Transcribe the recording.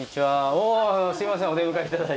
おすいませんお出迎え頂いて。